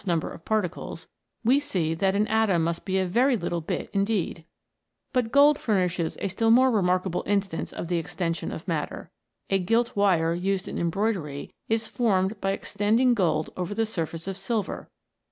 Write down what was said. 67 number of particles, we see that an atom must be a very little bit indeed ! But gold furnishes a still more remarkable instance of the extension of mat ter. The gilt wire used in embroidery is formed by extending gold over the surface of silver.